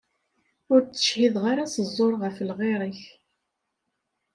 Ur tettcihhideḍ ara s ẓẓur ɣef lɣir-ik.